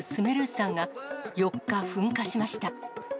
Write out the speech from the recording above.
山が４日、噴火しました。